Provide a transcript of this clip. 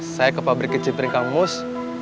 saya ke pabrik keciprin kamus